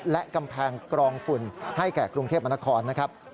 และกำแพงกรองฝุ่นให้แก่กรุงเทพมนครนะครับ